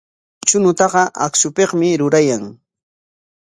Chuñutaqa akshupikmi rurayan.